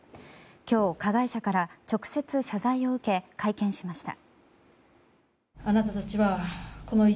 今日、加害者から直接謝罪を受け会見しました。